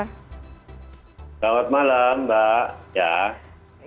selamat malam mbak